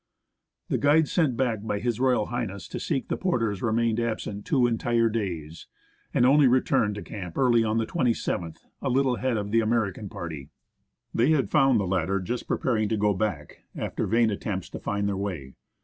The guides sent back by H.R. H. to seek the porters remained absent two entire days, and only returned to camp early on the 27th, a little ahead of the American party. They had found the latter just preparing to go back, after vain attempts to find their way.